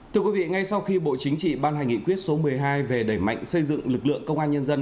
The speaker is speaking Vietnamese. thưa quý vị ngay sau khi bộ chính trị ban hành nghị quyết số một mươi hai về đẩy mạnh xây dựng lực lượng công an nhân dân